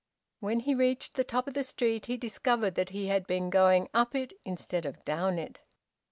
When he reached the top of the street he discovered that he had been going up it instead of down it.